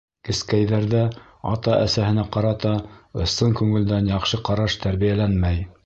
Кескәйҙәрҙә ата-әсәһенә ҡарата ысын күңелдән яҡшы ҡараш тәрбиәләнмәй.